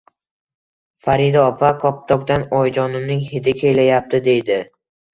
Farida opa, kaptokdan oyijonimning hidi kelayapti, deydi